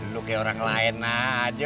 lu kayak orang lain aja